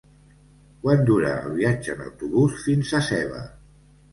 Quant dura el viatge en autobús fins a Seva?